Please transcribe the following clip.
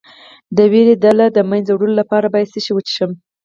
د ویرې د له منځه وړلو لپاره باید څه شی وڅښم؟